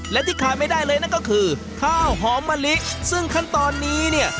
และที่ขาดไม่ได้เลยนั่นก็คือข้าวหอมมะลิซึ่งขั้นตอนนี้เนี่ย